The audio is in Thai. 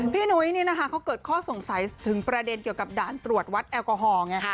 นุ้ยเขาเกิดข้อสงสัยถึงประเด็นเกี่ยวกับด่านตรวจวัดแอลกอฮอลไง